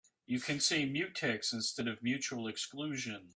You can say mutex instead of mutual exclusion.